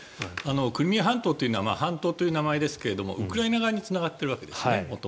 クリミア半島というのは半島という名前ですがウクライナ側につながっているわけですね。